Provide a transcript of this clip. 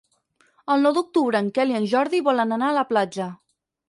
El nou d'octubre en Quel i en Jordi volen anar a la platja.